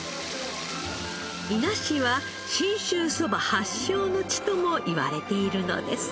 伊那市は信州そば発祥の地ともいわれているのです。